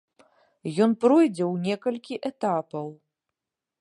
Ён пройдзе ў некалькі этапаў.